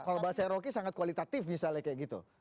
kalau bahasa eroki sangat kualitatif misalnya kayak gitu